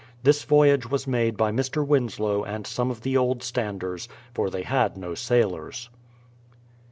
This voyage was made by Mr. Winslow and some of the old standers, for they had no sailors.